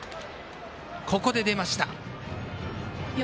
ここで出ました。